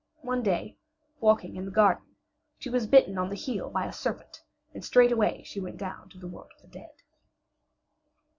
One day, walking in the garden, she was bitten on the heel by a serpent, and straightway she went down to the world of the dead.